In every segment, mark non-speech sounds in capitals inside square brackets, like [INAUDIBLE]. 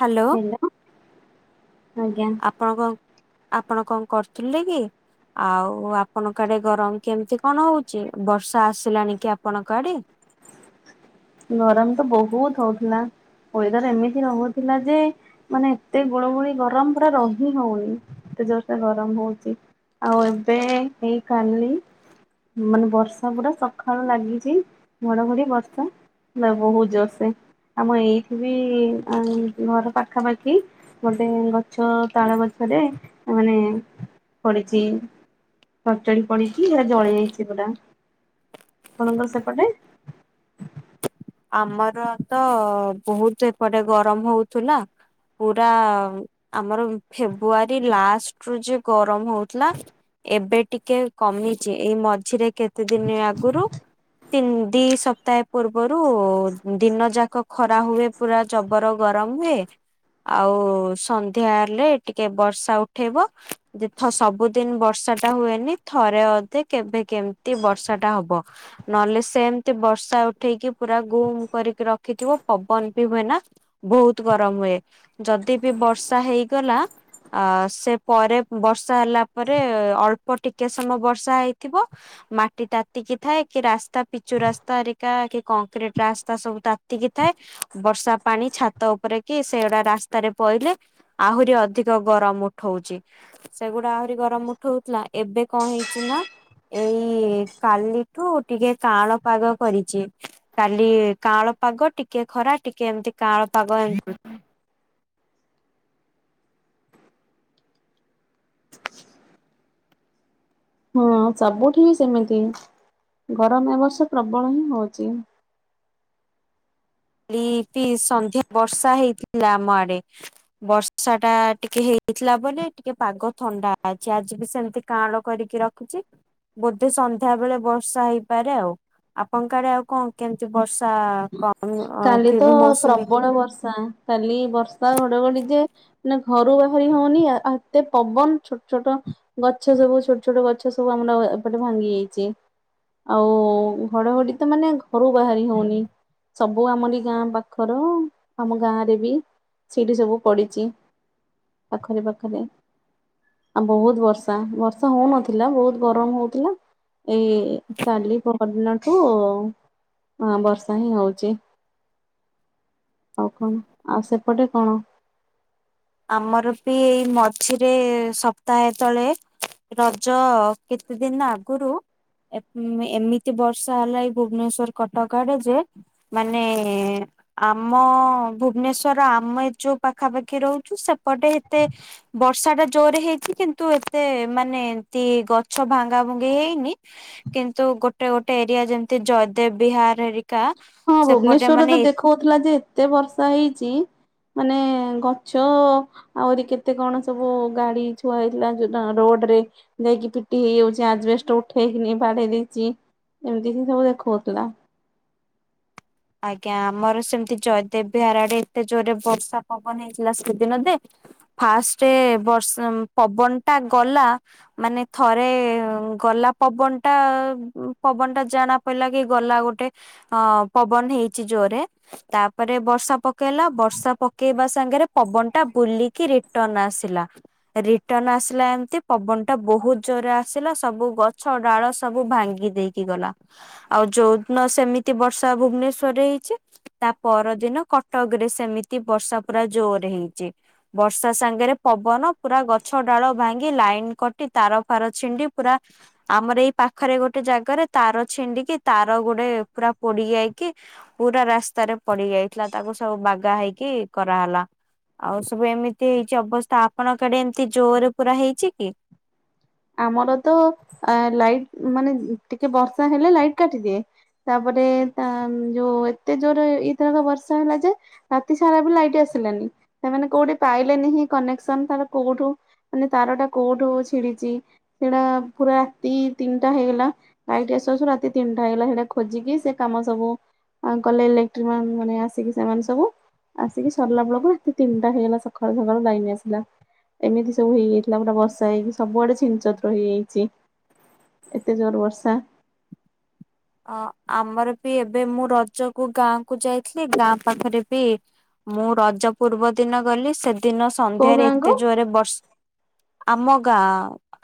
Hello ଆ। ଆଜ୍ଞା ଆପଣ କଣ ଆପଣ କଣ କରୁଥିଲେ କି? ଆଉ ଆପଣଙ୍କ ଆଡେ ଗରମ କେମିତି କଣ ହଉଛି ବର୍ଷା ଆସିଲାଣି କି ଆପଣଙ୍କ ଆଡେ। ଗରମ ତ ବହୁତ ହଉଥିଲା ଦର ଏମିତି ରହୁଥିଲା ଯେ। ମାନେ ଏତେ ଗୋଳୁ ଗୁଳି ଗରମ ପୁରା ରହି ହଉନି ଏତେ ଜୋର ସେ ଗରମ ହଉଚି। ଆଉ ଏବେ ହେଇ କାଲି। ମାନେ ବର୍ଷା ପୁରା ସକାଳୁ ଲାଗିଚି ଘଡଘଡି ବର୍ଷା। ନା ବହୁତ ଜୋରସେ ଆମ ଏଇଠ ବି ଘର ପାଖାପାଖି। ଗୋଟେ ଗଛ ତାଳ ଗଛରେ ମାନେ ପଡିଛି। ଫଟଳି ପଡ଼ିଛି ସେ ଜଳି ଯାଇଛି ପୁରା ଆପଣଙ୍କ ସେପଟେ। ଆମର ତ ବହୁତ ଏପଟେ ଗରମ ହଉଥିଲା। ପୁରା ଆମର ଫେବୃଆରୀ ଲାଷ୍ଟରୁୁ ଯେ ଗରମ ହଉଥିଲା ଏବେ ଟିକେ କମିଚି ଏଇ ମଝିରେ କେତେ ଦିନ ଆଗରୁ ତିନି ଦି ସପ୍ତାହ ପୂର୍ବରୁ ଦିନ ଯାକ ଖରା ହୁଏ ପୁରା ଜବର ଗରମ ହୁଏ। ଆଉ ସନ୍ଧ୍ୟାହେଲେ ଟିକେ ବର୍ଷା ଉଠେଇବ। ଯେ ସବୁଦିନ ବର୍ଷାଟା ହୁଏନି ଥରେ ଅଧେ କେବେ କେମତି ବର୍ଷାଟା ହବ। ନହେଲେ ସେମତି ବର୍ଷା ଉଠେଇକି ପୁରା ଗୁମ କରିକି ରଖିଥିବ ପବନ ବି ହୁଏ ନା। ବହୁତ ଗରମ ହୁଏ ଯଦି ବି ବର୍ଷା ହେଇଗଲା ଅ ସେ ପରେ ବର୍ଷା ହେଲା ପରେ ଅଳ୍ପ ଟିକେ ସମୟ ବର୍ଷା ହେଇଥିବ ମାଟି ତାତିକି ଥାଏ କି ରାସ୍ତା ପିଚୁ ରାସ୍ତା ହେରିକା କି କଂକ୍ରିଟ ରାସ୍ତା ସବୁ ତାତିକି ଥାଏ ବର୍ଷା ପାଣି ଛାତ ଉପରେ କି ସେଉଡ଼ା ରାସ୍ତାରେ ପଇଲେ ଆହୁରି ଅଧିକ ଗରମ ଉଠଉଚି। ସେଗୁଡା ଆହୁରି ଗରମ ଉଠଉଥିଲା ଏବେ କଣ ହେଇଚି ନା ଏଇ କାଲିଠୁ ଟିକେ କାଳ ପାଗ କରିଚି। କାଲି କାଁଳ ପାଗ ଟିକେ ଖରା ଟିକେ ଏମିତି କାଁଳ ପାଗ ଏ [INAUDIBLE] ହଁ ସବୁଠି ବି ସେମିତି ଗରମ ଏବର୍ଷ ପ୍ରବଳ ହିଁ ହଉଚି। ଲିପି ସନ୍ଧ୍ୟା ବର୍ଷା ହେଇଥିଲା ଆମ ଆଡେ। ବର୍ଷାଟା ଟିକେ ହେଇଥିଲା ବୋଲି ଟିକେ ପାଗ ଥଣ୍ଡା ଅଛି ଆଜି ବି ସେମିତି କାଁଳ କରିକି ରଖ ରଖିଛି ବୋଧେ ସନ୍ଧ୍ୟା ବେଳେ ବର୍ଷା ହେଇପାରେ ଆଉ ଆପଣଙ୍କ ଆଡେ ଆଉ କଣ? କେମତି ବର୍ଷା କଣ କାଲି ତ ପ୍ରବଳ ବର୍ଷା କାଲି ବର୍ଷା ଘଡଘଡି ଯେ ମାନେ ଘରୁ ବାହାରି ହଉନି ଆ ଏତେ ପବନ ଛୋଟ ଛୋଟ ଗଛ ସବୁ ଛୋଟ ଛୋଟ ଛୋଟ ଗଛ ସବୁ ଆମର ଏପଟେ ଭାଙ୍ଗି ଯାଇଚି ଆଉ ଘଡଘଡି ତ ମାନେ ଘରୁ ବାହାରି ହଉନି ସବୁ ଆମରି ଗାଁ ପାଖର ଆମ ଗାଁରେ ବି ସେଇଠି ସବୁ ପଡ଼ିଚି ପାଖରେ ପାଖରେ। ଆଉ ବହୁତ ବର୍ଷା ବର୍ଷା ହଉନଥିଲା ବହୁତ ଗରମ ହଉଥିଲା। ଏଇ କାଲି ପହର ଦିନଠୁ ହଁ ବର୍ଷା ହିଁ ହଉଚି। ଅଉ କଣ ଆଉ ସେପଟେ କଣ? ଆମର ବି ଏଇ ମଝିରେ ସପ୍ତାହେ ତଳେ ରଜ କେତେ ଦିନ ଆଗରୁ ଏପ ଏମିତି ବର୍ଷା ହେଲା ଏଇ ଭୁବନେଶ୍ଵର କଟକ ଆଡେ ଯେ ମାନେ ଆମ ଭୁବନେଶ୍ଵର ଆମ ଏ ଯୋଉ ପାଖାପାଖି ରହୁ ଚୁ ସେପଟେ ଏତେ ବର୍ଷାଟା ଜୋରରେ ହେଇଚି କିନ୍ତୁ ଏତେ ମାନେ ଏମତି ଗଛ ଭାଙ୍ଗାଭଙ୍ଗି ହେଇନି। କିନ୍ତୁ ଗୋଟେ ଗୋଟେ ଏରିଆ ଯେମିତି ଜୟଦେବ ବିହାର ହେରୀ କା। ହଁ ଭୁବନେଶ୍ଵରରେ ତ ଦେଖାଉଥିଲା ଯେ ଏତେ ବର୍ଷା ହେଇଚି। ମାନେ ଗଛ ଆହୁରି କେତେ କଣ ସବୁ ଗାଡି ଥୁଆ ହେଇଥିଲା ଯୋଉ ଡା ରୋଡରେ ଯାଇକି ପିଟି ହେଇଯାଉଛି ଆଜବେଷ୍ଟ ଉଠେଇକିନି ବାଡେଇ ଦେଇଛି ଏମିତି ହି ସବୁ ଦେଖାଉଥିଲା। ଆଜ୍ଞା ଆମର ସେମିତି ଜୟଦେବ ବିହାର ଆଡେ ଏତେ ଜୋରରେ ବର୍ଷା ପବନ ହେଇଥିଲା ସେହିଦିନ ଯେ ଫାଷ୍ଟ ବର୍ଷ ପବନଟା ଗଲା ମାନେ ଥରେ ଗଲା ପବନଟା ପବନଟା ଜଣା ପଇଲା କି ଗଲା ଗୋଟେ ଅ ପବନ ହେଇଚି ଜୋରେ ତାପରେ ବର୍ଷା ପକେଇଲା ବର୍ଷା ପକେଇବା ସାଙ୍ଗରେ ପବନଟା ବୁଲିକି ରିଟର୍ଣ ଆସିଲା। ରିଟର୍ଣ ଆସିଲା ଏମିତି ପବନଟା ବହୁତ ଜୋରରେ ଆସିଲା ସବୁ ଗଛ ଡାଳ ସବୁ ଭାଙ୍ଗି ଦେଇକି ଗଲା ଆଉ ଯୋଉଦିନ ସେମିତି ବର୍ଷା ଭୁବନେଶ୍ଵରରେ ହେଇଛି। ତା ପରଦିନ କଟକରେ ସେମିତି ବର୍ଷା ପୁରା ଜୋର ହେଇଛି। ବର୍ଷା ସାଙ୍ଗରେ ପବନ ପୁରା ଗଛ ଡାଳ ଭାଙ୍ଗି ଲାଇନ କଟି ତାର ଫାର ଛିଣ୍ଡି ପୁରା ଆମର ଏଇ ପାଖରେ ଗୋଟେ ଜାଗାରେ ତାର ଛିଣ୍ଡିକି ତାର ଗୋଟେ ପୁରା ପୋଡି ଯାଇକି ପୁରା ରାସ୍ତାରେ ପଡି ଯାଇଥିଲା ତାକୁ ସବୁ ବାଗା ହେଇକି କରାହେଲା। ଆଉ ସବୁ ଏମିତି ହେଇଛି ଅବସ୍ଥା ଆପଣ କୁଆଡେ ଏମତି ଜୋରରେ ପୁରା ହେଇଛି କି? ଆମର ତ ଲାଇଟ୍ ମାନେ ଟିକେ ବର୍ଷା ହେଲେ ଲାଇଟ କାଟିଦିଏ। ତାପରେ ତା ଯୋଉ ଏତେ ଜୋର ଏଇଥରକ ବର୍ଷା ହେଲା ଯେ ରାତି ସାରା ବି ଲାଇଟ୍ ଆସିଲାନି ସେମାନେ କୋଉଠି ପାଇଲେନି କନେକ୍ସନ ତାର କୋଉଠୁ ମାନେ ତାରଟା କୋଉଠୁ ଛିଡିଛି ସେଟା ପୁରା ରାତି ତିନିଟା ହେଇଗଲା। ଲାଇଟ ଆସୁ ରାତି ତିନିଟା ହେଲା ସେଟା ଖୋଜିକି ସେ କାମ ସବୁ ଆ କଲେ ଇଲେକ୍ଟ୍ରିମ୍ୟାନ ମାନେ ଆସିକି ସେମାନେ ସବୁ ଆସିକି ସରିଲା ବେଳକୁ ରାତି ତିନିଟା ହେଇଗଲା ସକାଳୁ ସକାଳୁ ଲାଇନ ଆସିଲା। ଏମିତି ସବୁ ହେଇଯାଇଥିଲା ପୁରା ବର୍ଷା ହେଇକି ସବୁଆଡ଼େ ଛି ହେଇଯାଇଛି ଏତେ ଜୋର ବର୍ଷା ଚ ଅ ଆମର ବି ଏବେ ମୁଁ ରଜକୁ ଗାଁ କୁ ଯାଇଥିଲି ଗାଁ ପାଖରେ ବି ମୁଁ ରଜ ପୂର୍ବ ଦିନ ଗଲି ସେଦିନ କୋଉ ସନ୍ଧ୍ୟାରେ ଗାଁ କୁ ଏତେ ଜୋରେ ବର୍ଷ ଆମ ଗାଁ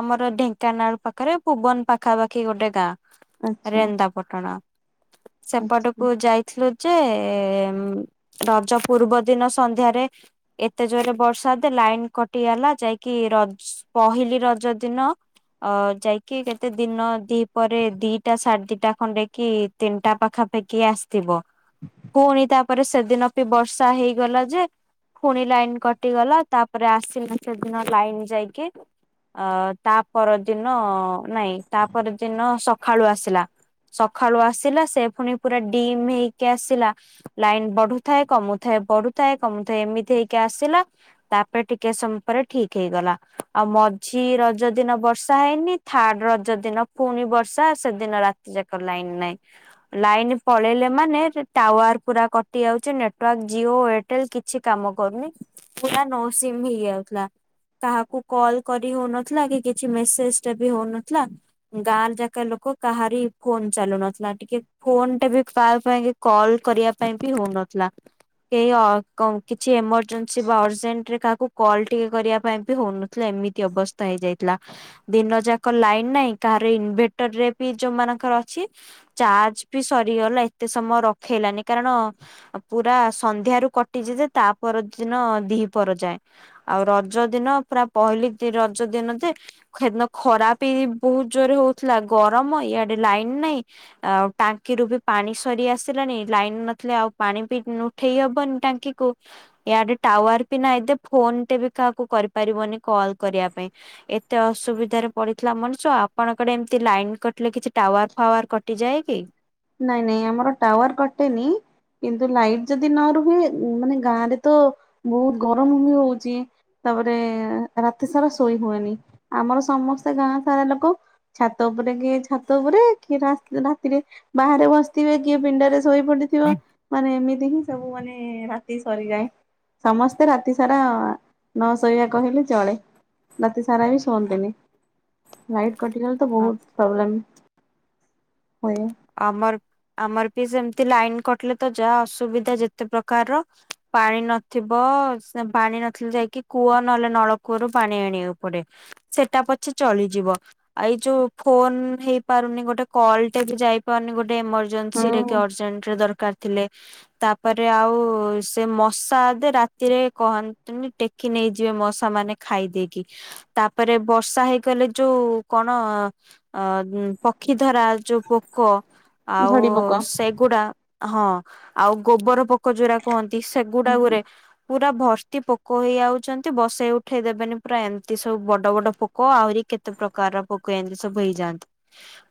ଆମର ଢେଙ୍କାନାଳ ପାଖରେ ଭୁବନ ପାଖାପାଖି ଗୋଟେ ଗାଁ। ଆଚ୍ଛା ରେନ୍ଦାପାଟଣା ଆଚ୍ଛା। ସେପଟକୁ ଯାଇଥିଲୁ ଯେ ରଜ ପୂର୍ବ ଦିନ ସନ୍ଧ୍ୟାରେ ଏତେ ଜୋରେ ବର୍ଷାଯେ ଲାଇନ କଟିଗଲା ଯାଇକି ରଜ ପହିଲି ରଜ ଦିନ ଅ ଯାଇକି କେତେ ଦିନ ଦି ପରେ ଦି ଦିଟା ସାଢେ ଦିଟା ଖଣ୍ଡେ କି ତିନିଟା ପାଖାପାଖି ଆସିଥିବ ପୁଣି ତା ପରେ ସେଦିନ ବି ବର୍ଷା ହେଇଗଲା ଯେ ପୁଣି ଲାଇନ କଟିଗଲା ତାପରେ ଆସିଲେ ସେଦିନ ଲାଇନ ଯାଇକି। ଅ ତା ପରଦିନ ନାଇଁ ତା ପରଦିନ ସଖାଳୁ ଆସିଲା। ସକାଳୁ ଆସିଲା ସେ ପୁଣି ପୁରା ଡିମ୍ ହେଇକି ଆସିଲା। ଲାଇନ ବଢୁଥାଏ କମୁଥାଏ ବଢୁଥାଏ କମୁଥାଏ ଏମିତି ହେଇକି ଆସିଲା। ତାପରେ ଟିକେ ସମୟ ପରେ ଠିକ ହେଇଗଲା ଆଉ ମଝି ରଜ ଦିନ ବର୍ଷା ହେଇନି। ଥାର୍ଡ ରଜ ଦିନ ପୁଣି ବର୍ଷା ସେଦିନ ରାତି ଯାକ ଲାଇନ ନାହିଁ। ଲାଇନ ପଳେଇଲେ ମାନେ ଟାୱାର ପୁରା କଟି ଯାଉଛି ନେଟୱାର୍କ ଜିଓ ଏୟା ଟେଲ କିଛି କାମ କରୁନି ପୁରା ନୋ ସିମ ହେଇଯାଉଥିଲା। କାହାକୁ କଲ କରି ହଉନଥିଲା କି କିଛି ମେସେଜରେ ବି ହଉନଥିଲା ଗାଁ ରେ ଯାକ ଲୋକ କାହାରି ଫୋନ ଚାଲୁ ନଥିଲା ଟିକେ ଫୋନ ଗୋଟେ ବି କ ପାଇଁ କଲ କରିବା ପାଇଁ ବି ହଉନଥିଲା। କେହି କିଛି ଏମର୍ଜେନ୍ସି ବା ଅର୍ଜେଣ୍ଟରେ କାହାକୁ କଲ୍ ଟିକେ କରିବା ପାଇଁ ବି ହଉନ ଏମିତି ଅବସ୍ଥା ହେଇଯାଇଥିଲା ଦିନ ଯାକ ଲାଇନ ନାଇଁ କାହାର ଇନଭେ ଯୋଉ ମାନଙ୍କର ଅଛି ଚାର୍ଜ ବି ସରିଗଲା ଏତେ ସମୟ ରଖେଇଲାନି କାରଣ ପୁରା ସନ୍ଧ୍ୟାରୁ କଟିଛି ଯେ ତା ପର ଦିନ ଦି ପର ଯାଏ। ଆଉ ରଜ ଦିନ ପୁରା ପହିଲି ରଜ ଦିନ ଯେ ସେଦିନ ଖରା ବି ବହୁତ ଜୋରେ ହଉଥିଲା ଗରମ ଇଆଡେ ଲାଇନ ନାଇଁ ଆଉ ଟାଙ୍କିରୁୁ ବି ପାଣି ସରି ଆସିଲାନି ଲାଇନ ନଥିଲେ ଆଉ ପାଣି ବି ନ ଉଠେଇ ହବନି ଟାଙ୍କିକୁ। ଇଆଡେ ଟାୱାର ବି ନା ଏ ଫୋନଟେ ବି କାହାକୁ କରିପାରିବନି କଲ କରିବା ପାଇଁ। ଏତେ ଅସୁବିଧାରେ ପଡିଥିଲା ମଣିଷ। କଣ ଏମିତି ଲାଇନ୍ କଟିଲେ କିଛି ଟାୱାର ଫାୱାର କଟିଯାଏ କି? ନାଇଁ ନାଇଁ ଆମର ଟାୱାର କଟେନି। କିନ୍ତୁ ଲାଇଟ ଯଦି ନ ରୁହେ ମାନେ ଗାଁରେ ତ ବହୁତ ଗରମ ବି ହଉଛି। ତାପରେ ରାତି ସାରା ଶୋଇ ହୁଏନି ଆମର ସମସ୍ତେ ଗାଁ ସାରା ଲୋକ ଛାତ ଉପରେ କି ଛାତ ଉପରେ କି ରା ରାତିରେ ବାହାରେ ବସିଥିବେ କିଏ ପିଣ୍ଡାରେ ଶୋଇ ପଡିଥିବ ମାନେ ଏମିତି ହିଁ ସବୁ ମାନେ ରାତି ସରିଯାଏ। ସମସ୍ତେ ରାତି ସାରା ନ ଶୋଇବା କହିଲେ ଚଳେ। ରାତି ସାରା ବି ଶୁଅନ୍ତିନି ଲାଇଟ କଟିଗଲେ ତ ବହୁତ ପ୍ରୋବ୍ଲେମ ହୁଏ। ଆମର ଆମର ପି ସେମତି ଲାଇନ କଟିଲେ ତ ଯାହା ଅସୁବିଧା ଯେତେ ପ୍ରକାରର। ପାଣି ନଥିବ ସେ ପାଣି ନଥିଲେ ଯାଇକି କୂଅ ନହେଲେ ନଳକୂଅରୁ ପାଣି ଆଣିବାକୁ ପଡେ। ସେଟା ପଛେ ଚଳିଯିବ ଏଇ ଯୋଉ ଫୋନ ହେଇପାରୁନି ଗୋଟେ କଲ ଟେ ବି ଯାଇ ପାରୁନି ଗୋଟେ ଏମରଜେନ୍ସି ରେ କି ହୁଁ ଅର୍ଜେଣ୍ଟରେ ଦରକାର ଥିଲେ ତା ତାପରେ ଆଉ ସେ ମଶା ଦେ ରାତିରେ କହନ୍ତୁନି ଟେକି ନେଇଯିବେ ମଶାମାନେ। ଖାଇ ଦେଇକି ତାପରେ ବର୍ଷା ହେଇଗଲେ ଯୋଉ କଣ ଅ ପକ୍ଷୀ ଧରା ଯୋଉ ପୋ କ ଆଉ ଝଡି ପୋକ। ସେଗୁଡା ହଁ ଆଉ ଗୋବର ପ ପୋକଜୁରା କୁହନ୍ତି ସେଗୁଡା ଗୁରେ। ପୁରା ଭର୍ତ୍ତି ପୋକ ହେଇଯାଉଛନ୍ତି ବସେଇ ଉଠେଇ ଦେବେନି ପୁରା ଏମିତି ସବୁ ବଡ ବଡ ପୋକ ଆହୁରି କେ ତ ପ୍ରକାର ପକ ଏନ୍ତି ସବୁ ହେଇଯାଆନ୍ତି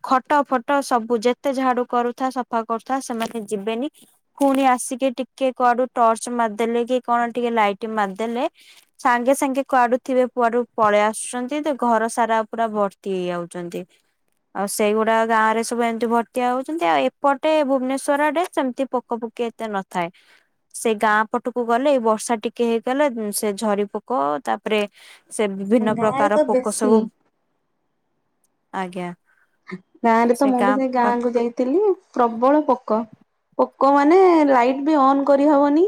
ଖଟ ଫଟ ସବୁ ଯେତେ ଝାଡୁ କରୁଥା ସଫା କରୁଥା ସେମାନେ ଯିବେନି। ପୁଣି ଆସିକି ଟିକେ କୁଆଡୁ ଟର୍ଚ ମାରିଦେଲେ କି କଣ ଟିକେ ଲାଇଟ ମାରିଦେଲେ ସାଙ୍ଗେ ସାଙ୍ଗେ କୁଆଡୁ ଥିବେ କୁଆଡୁ ପଳେଇ ଆସୁଛନ୍ତି ତ ଘର ସାରା ପୁରା ଭର୍ତ୍ତି ହେଇଯାଉଛନ୍ତି। ଆଉ ସେଇଗୁଡା ଗାଁ ରେ ସବୁ ଏମିତି ଭର୍ତିଆ ହଉଛନ୍ତି ଆଉ ଏପଟେ ଭୁବନେଶ୍ଵର ଆଡେ ସେମିତି ପୋକ ପୋକୀ ଏତେ ନଥାଏ। ସେ ଗାଁ ପଟକୁ ଗଲେ ଏଇ ବର୍ଷା ଟିକେ ହେଇଗଲେ ସେ ଝରି ପୋକ ତାପରେ ସେ ବିଭିନ୍ନ ଗାଁ ରେ ପ୍ରକାର ତ ପୋକ ବେଶୀ ସବୁ ଆଜ୍ଞା। ଗାଁ ରେ ତ ସେ ମୁଁ ବି ଗାଁ ସେଇ ପାଖ ଗାଁକୁ ଯାଇଥିଲି ପ୍ରବଳ ପୋକ। ପୋକ ମାନେ ଲାଇଟ ବି ଅନ୍ କରିହବନି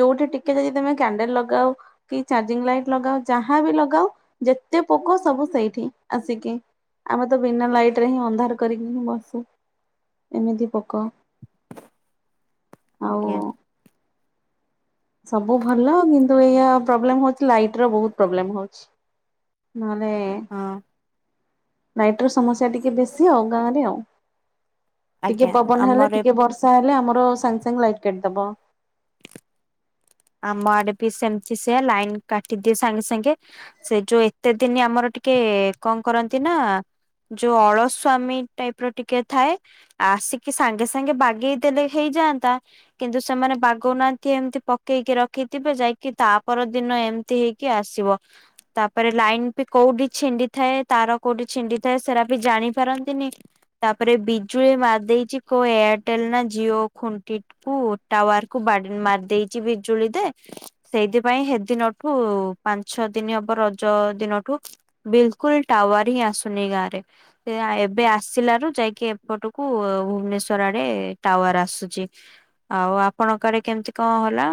ଯୋଉଠି ଟିକେ ଯଦି ତମେ କ୍ୟାଣ୍ଡେଲ ଲଗାଅ କି ଚାର୍ଜିଂ ଲାଇଟ ଲଗାଉ ଯାହାବି ଲଗାଉ ଯେତେ ପୋକ ସବୁ ସେଇଠି ଆସିକି। ଆମେ ତ ବିନା ଲାଇଟ ରେ ହିଁ ଅନ୍ଧାର କରିକି ହିଁ ବସୁ ଏମିତି ପୋକ। ଆଉ ଆଜ୍ଞା ସବୁ ଭଲ କିନ୍ତୁ ଏଇଆ ପ୍ରୋବ୍ଲେମ ହଉଛି ଲାଇଟ ର ବହୁତ ପ୍ରୋବ୍ଲେମ ହଉଛି। ନହଲେ ହଁ। ଲାଇଟର ସମସ୍ୟା ଟିକେ ବେଶୀ ଆଉ ଗାଁରେ ଆଉ। ଟିକେ ଆଜ୍ଞା ପବନ ହେଲେ ଆମର ଏ ଟିକେ ବର୍ଷା ହେଲେ ଆମର ସାଙ୍ଗେ ସାଙ୍ଗେ ଲାଇଟ୍ କାଟିଦବ। ଆମ ଆଡେ ବି ସେମତି ସେଆ ଲାଇନ୍ କାଟିଦିଏ ସାଙ୍ଗେ ସାଙ୍ଗେ। ସେ ଯୋଉ ଏତେ ଦିନ ଆମର ଟିକେ କଣ କରନ୍ତି ନା ଯୋଉ ଅଳସ୍ଵାମୀ ଟାଇପର ଟିକେ ଥାଏ। ଆସିକି ସାଙ୍ଗେ ସାଙ୍ଗେ ବାଗେଇଦେଲେ ହେଇଯାଆନ୍ତା। କିନ୍ତୁ ସେମାନେ ବାଗଉନାହାନ୍ତି ଏମିତି ପ ପକେଇକି ରଖିଥିବେ ଯାଇକି ତାପରଦିନ ଏମିତି ହେଇକି ଆସିବ। ତାପରେ ଲାଇନ ବି କୋଉଠି ଛିଣ୍ଡି ଥାଏ ତାର କୋଉଠି ଛିଣ୍ଡି ଥାଏ ସେଟା ବି ଜାଣି ପାରନ୍ତିନି। ତାପରେ ବିଜୁଳି ମାରିଦେଇଛି କୋଉ ଏୟାରଟେଲ ନା ଜିଓ ଖୁଣ୍ଟି କୁ ଟାୱାର କୁ ବାଡି ମାରି ଦେଇଛି ବିଜୁଳି ଦେ ସେଇଥିପାଇଁ ହେଦିନଠୁ ପାଞ୍ଚ ଛ ଦିନ ହବ ରଜ ଦିନଠୁ ବିଲକୁଲ ଟାୱାର ହିଁ ଆସୁନି ଗାଁରେ। ସେ ଏବେ ଆସିଲାରୁ ଯାଇକି ଏପଟକୁ ଭୁବନେଶ୍ଵର ଆଡେ ଟାୱାର ଆସୁଛି। ଆଉ ଆପଣଙ୍କ ଆରେ କେମିତି କଣ? ହେଲା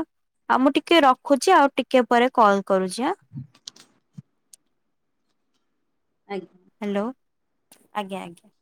ଆଉ ମୁଁ ଟିକେ ରଖୁଛି ଆଉ ଟିକେ ପରେ କଲ କରୁଛି ଆ ଆଜ୍ଞା। ହ୍ୟାଲୋ ଆଜ୍ଞା ଆଜ୍ଞା।